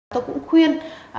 tôi cũng khuyên